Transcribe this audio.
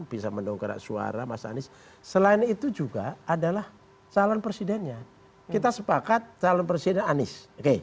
bisa mendongkrak suara mas anies selain itu juga adalah calon presidennya kita sepakat calon presiden anies oke